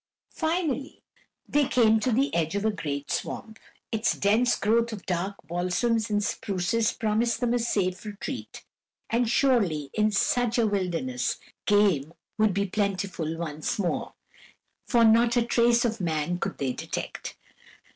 Finally they came to the edge of a great swamp; its dense growth of dark balsams and spruces promised them a safe retreat, and surely, in such a wilderness, game would be plentiful once more, for not a trace of man could they detect.